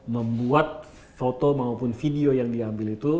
membuat foto maupun video yang diambil itu